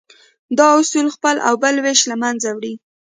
دا اصول خپل او بل وېش له منځه وړي.